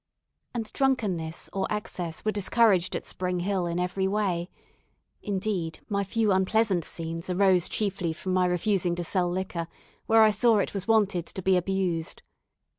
And drunkenness or excess were discouraged at Spring Hill in every way; indeed, my few unpleasant scenes arose chiefly from my refusing to sell liquor where I saw it was wanted to be abused.